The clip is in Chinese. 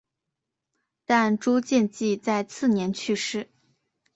但朱见济在次年去世。